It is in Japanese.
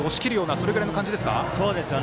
それぐらいの感じですか。